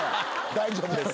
大丈夫です。